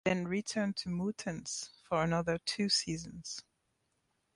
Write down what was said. He then returned to Muttenz for another two seasons.